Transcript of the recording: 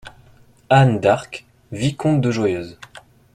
Anne D’ARQUES , vicomte DE JOYEUSE.